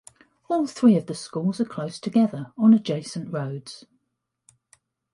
All three of the schools are close together, on adjacent roads.